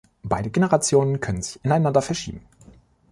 Beide Generationen können sich ineinander verschieben.